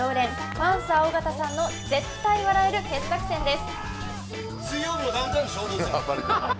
パンサー尾形さんの絶対笑える傑作選です